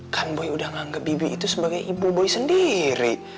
kan boy udah menganggap bibi itu sebagai ibu boy sendiri